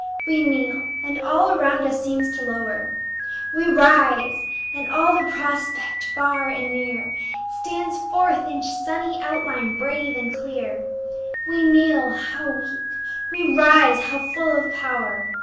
We kneel, and all around us seems to lower; We rise, and all the prospect, far and near, Stands forth in sunny outline brave and clear. We kneel how weak! we rise how full of power!